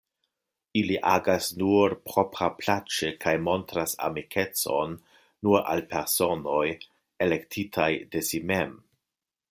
Ili agas nur propraplaĉe kaj montras amikecon nur al personoj, elektitaj de si mem.